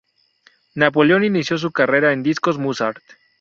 Napoleón inició su carrera en discos Musart.